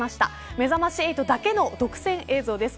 めざまし８だけの独占映像です。